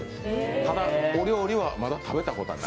ただお料理はまだ食べたことがない？